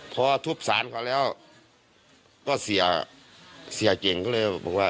พอทุบสารเขาแล้วก็เสียเสียเก่งก็เลยบอกว่า